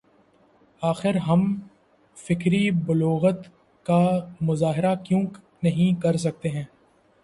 آخر ہم فکری بلوغت کا مظاہرہ کیوں نہیں کر سکتے ہیں؟